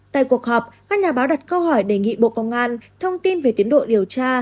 tại cuộc họp các nhà báo đặt câu hỏi đề nghị bộ công an thông tin về tiến độ điều tra